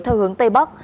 theo hướng tây bắc